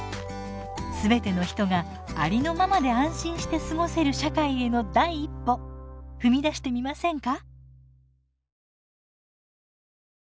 全ての人がありのままで安心して過ごせる社会への第一歩踏み出してみませんか？